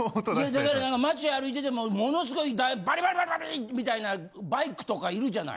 だけどなんか街歩いててももの凄いバリバリバリみたいなバイクとかいるじゃない。